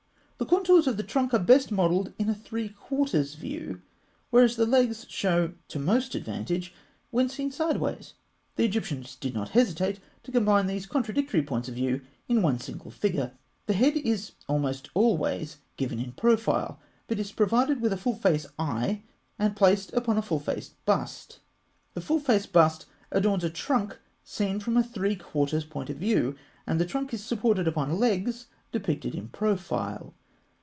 The contours of the trunk are best modelled in a three quarters view, whereas the legs show to most advantage when seen sidewise. The Egyptians did not hesitate to combine these contradictory points of view in one single figure. The head is almost always given in profile, but is provided with a full face eye and placed upon a full face bust. The full face bust adorns a trunk seen from a three quarters point of view, and this trunk is supported upon legs depicted in profile.